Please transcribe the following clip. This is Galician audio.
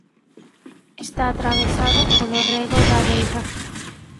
Está atravesado polo rego da Veiga.